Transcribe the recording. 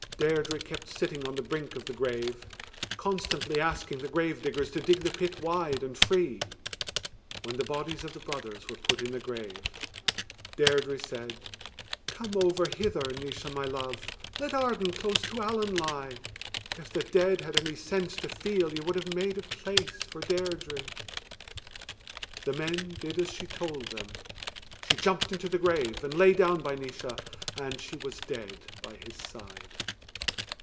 Deirdre kept sitting on the brink of the grave, constantly asking the gravediggers to dig the pit wide and free. When the bodies of the brothers were put in the grave, Deirdre said: Come over hither, Naois, my love, Let Arden close to Allen lie; If the dead had any sense to feel, Ye would have made a place for Deirdre. The men did as she told them. She jumped into the grave and lay down by Naois, and she was dead by his side.